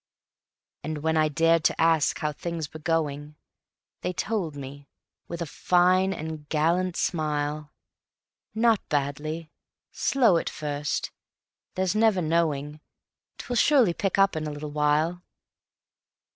And when I dared to ask how things were going, They told me, with a fine and gallant smile: "Not badly ... slow at first ... There's never knowing ... 'Twill surely pick up in a little while."